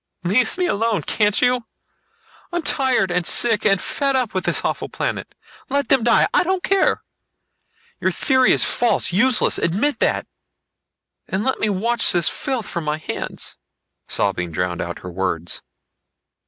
"Leave me alone, can't you! I'm tired and sick and fed up with this awful planet. Let them die. I don't care! Your theory is false, useless. Admit that! And let me wash the filth from my hands...." Sobbing drowned out her words.